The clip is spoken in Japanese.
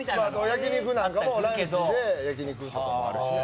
焼き肉なんかもランチで焼き肉とか。